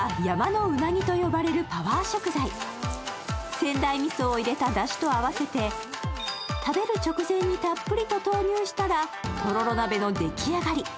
仙台みそを入れただしと合わせて、食べる直前にたっぷりと投入したらとろろ鍋の出来上がり。